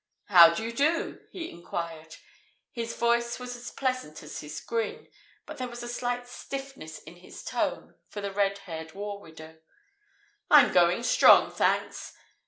"How do you do?" he enquired. His voice was as pleasant as his grin, but there was a slight stiffness in his tone for the red haired war widow. "I'm going strong, thanks!